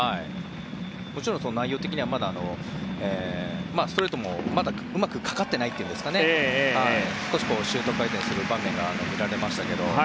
もちろん内容的にはストレートもまだうまくかかっていないといいますか少しシュート回転する場面が見られましたけど。